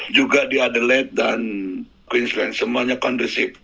juga di adelaide dan queensland semuanya kondisip